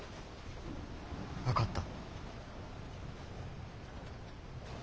分かった。